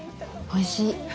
おいしい。